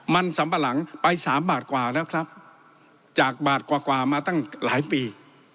มันสัมปะหลังไปสามบาทกว่าแล้วครับจากบาทกว่ากว่ามาตั้งหลายปี